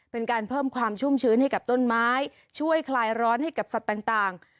เป็นการเพิ่มความชุ่มชื้นให้กับต้นไม้ช่วยคลายร้อนให้กับสัตว์ต่าง